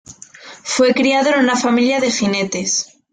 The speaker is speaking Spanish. Fue criado en una familia de jinetes.